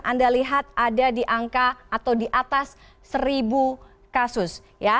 anda lihat ada di angka atau di atas seribu kasus